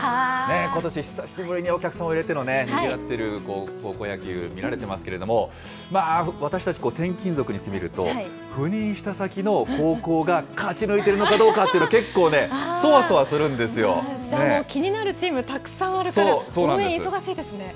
ことし、久しぶりにお客さんを入れての、にぎわっている高校野球見られてますけども、私たち、転勤族にしてみると、赴任した先の高校が勝ち抜いているのかどうかっていうの、結構ね、そわそわすじゃあもう気になるチームたそうなんですよ。